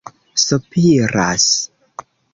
sopiras